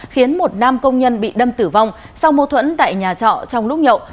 khiến một nam công nhân bị đâm tử vong sau mô thuẫn tại nhà trọ trong lúc nhậu